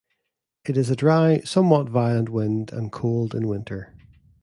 It is a dry, somewhat violent wind and cold in winter.